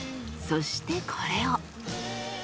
そしてこれを。